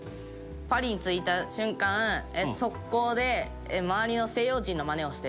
パリに着いた瞬間速攻で周りの西洋人のまねをして。